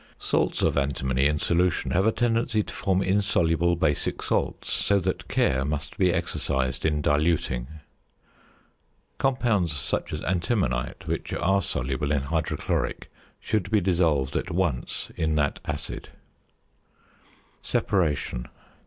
Salts of antimony in solution have a tendency to form insoluble basic salts; so that care must be exercised in diluting. Compounds such as antimonite which are soluble in hydrochloric should be dissolved at once in that acid. ~Separation.